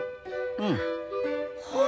うん。